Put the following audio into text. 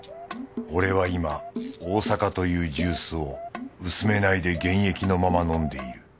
俺は今大阪というジュースを薄めないで原液のまま飲んでいる